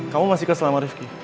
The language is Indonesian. kamu masih kesalahan sama rifqi